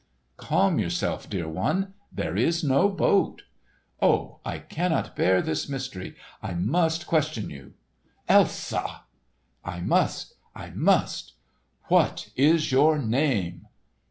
"Calm yourself, dear one! There is no boat." "Oh, I cannot bear this mystery! I must question you!" "Elsa!" "I must, I must! What is your name?"